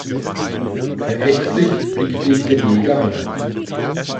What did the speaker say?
Verächtlich blickte ich den Jäger an.